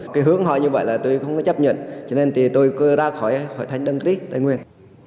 cái hướng họ như vậy là tôi không có chấp nhận cho nên thì tôi ra khỏi hội thánh tin lành cris tây nguyên